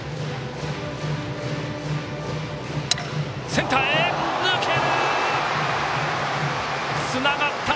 センターへ抜けた！